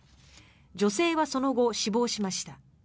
女性はその後、死亡しました。